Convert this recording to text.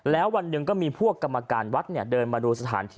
แล้ววันหนึ่งก็มีพวกกรรมการวัดเดินมาดูสถานที่